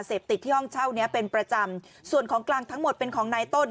เสพติดที่ห้องเช่าเนี้ยเป็นประจำส่วนของกลางทั้งหมดเป็นของนายต้น